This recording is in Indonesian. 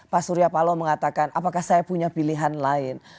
pak surya paloh mengatakan apakah saya punya pilihan lain